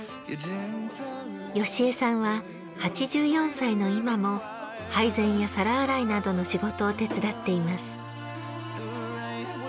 由江さんは８４歳の今も配膳や皿洗いなどの仕事を手伝っています。